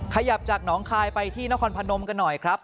ขยับจากหนองคายไปที่นครพนมกันหน่อยครับ